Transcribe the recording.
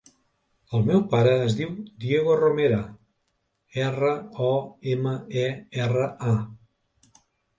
El meu pare es diu Diego Romera: erra, o, ema, e, erra, a.